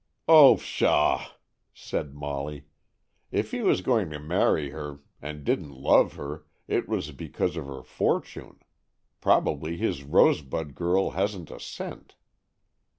"Oh, pshaw!" said Molly. "If he was going to marry her, and didn't love her, it was because of her fortune. Probably his rosebud girl hasn't a cent."